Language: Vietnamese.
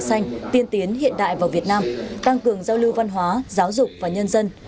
xanh tiên tiến hiện đại vào việt nam tăng cường giao lưu văn hóa giáo dục và nhân dân